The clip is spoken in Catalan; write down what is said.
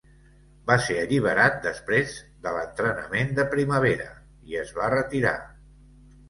Va ser alliberat després de l'entrenament de primavera, i es va retirar.